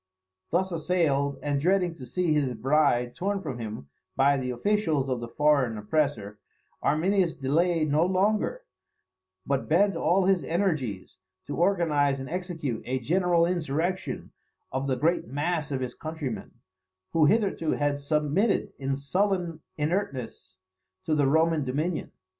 Thus assailed, and dreading to see his bride torn from him by the officials of the foreign oppressor, Arminius delayed no longer, but bent all his energies to organize and execute a general insurrection of the great mass of his countrymen, who hitherto had submitted in sullen inertness to the Roman dominion.